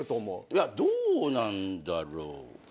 いやどうなんだろう。